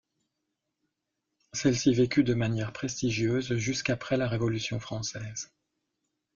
Celle-ci vécut de manière prestigieuse jusqu'après la Révolution française.